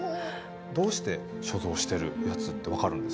どうして所蔵してるやつって分かるんですか？